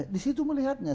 di situ melihatnya